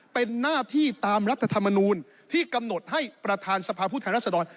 เป็นหน้าที่ตามรัฐธรรมนูลที่กำหนดให้ประธานสภาพผู้แทนรัศดร